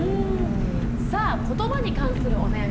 さあことばに関するお悩み。